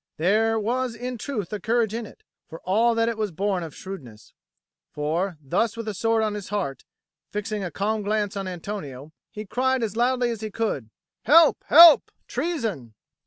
There was in truth a courage in it, for all that it was born of shrewdness. For, thus with the sword on his heart, fixing a calm glance on Antonio, he cried as loudly as he could, "Help, help, treason!"